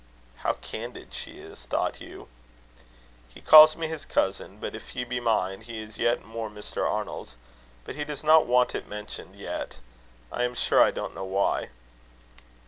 "How candid she is!" thought Hugh. "He calls me his cousin; but if he be mine, he is yet more Mr. Arnold's. But he does not want it mentioned yet. I am sure I don't know why."